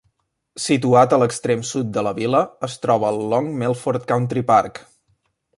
Situat a l'extrem sud de la vila, es troba el Long Melford Country Park.